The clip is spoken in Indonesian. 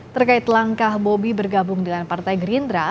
terkait langkah bobi bergabung dengan partai gerindra